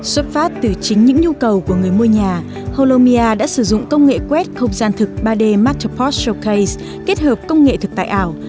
xuất phát từ chính những nhu cầu của người mua nhà holomia đã sử dụng công nghệ quét không gian thực ba d matal postal ks kết hợp công nghệ thực tại ảo